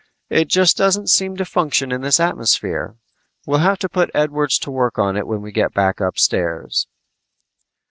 "It just doesn't seem to function in this atmosphere. We'll have to put Edwards to work on it when we go back upstairs."